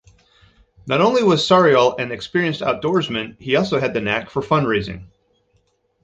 Not only was Sauriol an experienced outdoorsman he also had the knack for fundraising.